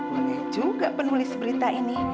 banyak juga penulis berita ini